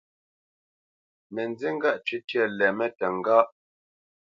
Mə nzí ŋgâʼ cwítyə́ lɛmə́ təŋgáʼ.